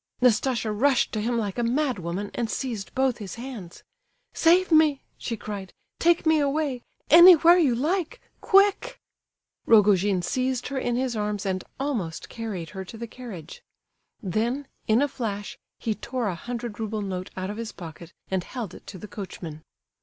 Nastasia rushed to him like a madwoman, and seized both his hands. "Save me!" she cried. "Take me away, anywhere you like, quick!" Rogojin seized her in his arms and almost carried her to the carriage. Then, in a flash, he tore a hundred rouble note out of his pocket and held it to the coachman.